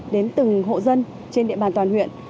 đến từng hộ dân trên địa bàn toàn huyện